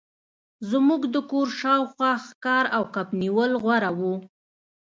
زموږ د کور شاوخوا ښکار او کب نیول غوره وو